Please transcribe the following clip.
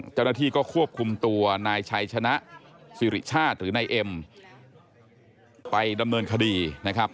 เจ้าหน้าที่ก็ควบคุมตัวนายชัยชนะสิริชาติหรือนายเอ็มไปดำเนินคดีนะครับ